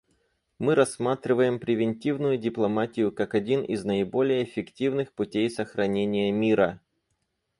Мы рассматриваем превентивную дипломатию как один из наиболее эффективных путей сохранения мира.